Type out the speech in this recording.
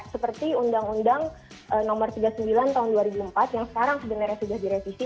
seperti undang undang nomor tiga puluh sembilan tahun dua ribu empat yang sekarang sebenarnya sudah direvisi